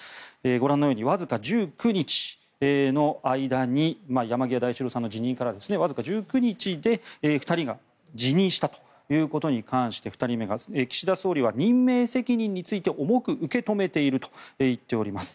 ご覧のようにわずか１９日の間に山際大志郎さんからの辞任からわずか１９日で２人が辞任したということに関して岸田総理は任命責任について重く受け止めていると言っています。